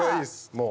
もう。